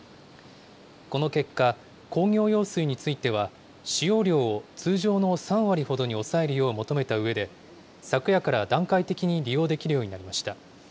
この結果、工業用水については、使用量を通常の３割ほどに抑えるよう求めたうえで、昨夜から段階的に利用できるようになりました。